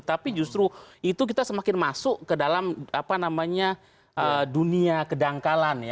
tapi justru itu kita semakin masuk ke dalam apa namanya dunia kedangkalan ya